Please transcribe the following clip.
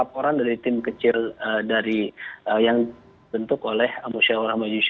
bagaimana mencegahnya bahwa negara sudah memperbaiki